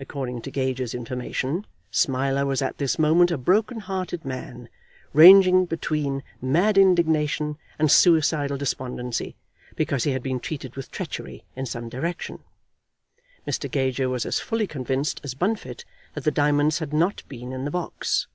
According to Gager's information, Smiler was at this moment a broken hearted man, ranging between mad indignation and suicidal despondency, because he had been treated with treachery in some direction. Mr. Gager was as fully convinced as Bunfit that the diamonds had not been in the box.